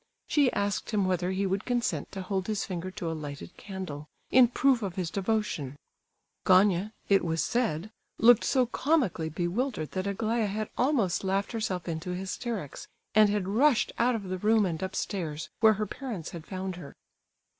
She asked him whether he would consent to hold his finger to a lighted candle in proof of his devotion! Gania—it was said—looked so comically bewildered that Aglaya had almost laughed herself into hysterics, and had rushed out of the room and upstairs,—where her parents had found her.